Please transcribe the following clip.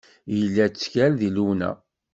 Yella ttkal di Luna.